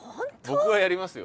僕はやりますよ。